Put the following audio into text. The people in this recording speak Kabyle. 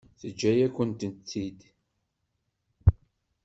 Teǧǧa-yakent-tt-id.